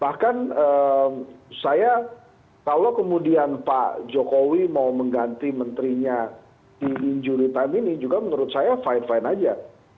bahkan saya kalau kemudian pak jokowi mau mengganti menterinya di injury time ini juga menurut saya fine fine aja